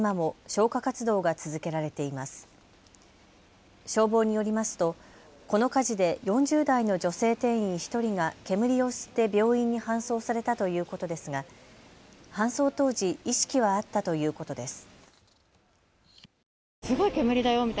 消防によりますとこの火事で４０代の女性店員１人が煙を吸って病院に搬送されたということですが搬送当時、意識はあったということです。